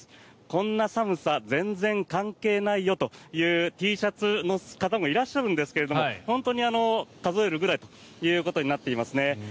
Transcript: こんな寒さ全然関係ないよというＴシャツの方もいらっしゃるんですが本当に数えるぐらいということになっていますね。